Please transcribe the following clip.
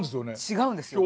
違うんですよ。